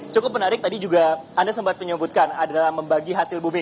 cukup menarik tadi juga anda sempat menyebutkan adalah membagi hasil booming